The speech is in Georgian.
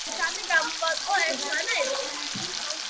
ხუთი და სამი გამოვაკლო ერთმანეთს?